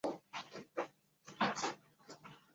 南北朝时为营州地。